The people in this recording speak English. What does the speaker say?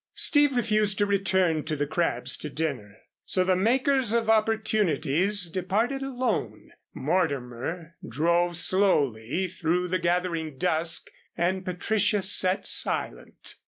Steve refused to return to the Crabbs' to dinner, so the Makers of Opportunities departed alone. Mortimer drove slowly through the gathering dusk and Patricia sat silent.